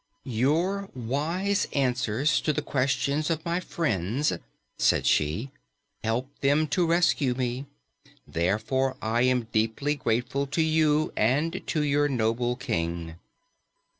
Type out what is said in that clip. "Your wise answers to the questions of my friends," said she, "helped them to rescue me. Therefore I am deeply grateful to you and to your noble King."